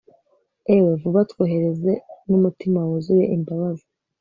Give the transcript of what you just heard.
Ewe vuba twohereze numutima wuzuye imbabazi